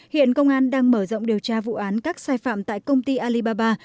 hiện công an đang mở rộng điều tra vụ án các sai phạm tại công ty alibaba